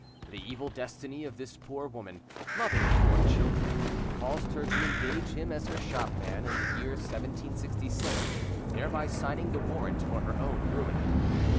The evil destiny of this poor woman, mother of four children, caused her to engage him as her shopman in the year 1767, thereby signing the warrant for her own ruin.